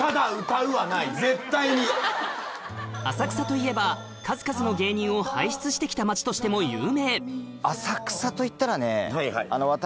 浅草といえば数々の芸人を輩出してきた町としても有名私は。